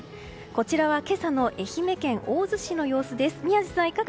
こちらは今朝の愛媛県大洲市の様子です。